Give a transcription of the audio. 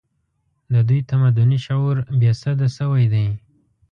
د دوی تمدني شعور بې سده شوی دی